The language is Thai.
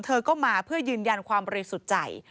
เธอก็มาเพื่อยืนยันความบริสุทธิ์ใจ